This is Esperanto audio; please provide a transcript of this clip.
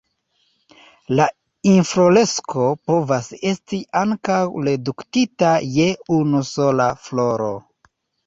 La infloresko povas esti ankaŭ reduktita je unu sola floro.